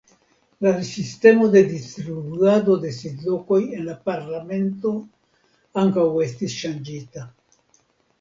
La sistemo de distribuado de sidlokoj en la parlamento ankaŭ estis ŝanĝita.